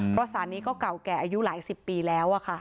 เพราะสารนี้ก็เก่าแก่อายุหลายสิบปีแล้ว